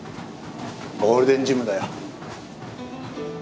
ゴールデンジムだよ。